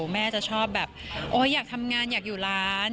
แม่จะชอบแบบโอ๊ยอยากทำงานอยากอยู่ร้าน